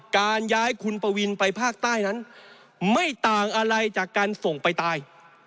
การย้ายคุณปวินไปภาคใต้นั้นไม่ต่างอะไรจากการส่งไปตาย